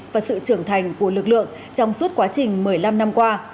và sự trưởng thành của lực lượng trong suốt quá trình một mươi năm năm qua